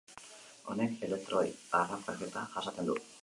Honek elektroi harrapaketa jasaten du.